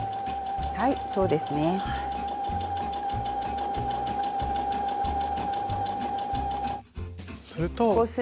はいそうですね。